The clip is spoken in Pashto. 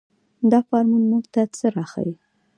دا فارمول موږ ته څه راښيي.